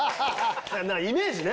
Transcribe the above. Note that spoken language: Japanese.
イメージね。